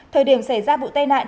thời điểm xảy ra bụi tai nạn